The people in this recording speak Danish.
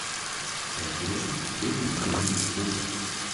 sagde rosen, idet lugekonen tog den.